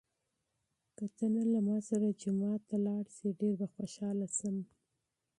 که ته نن له ما سره جومات ته لاړ شې، ډېر به خوښ شم.